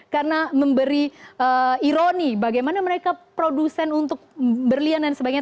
karena memberi ironi bagaimana mereka produsen untuk berlian dan sebagainya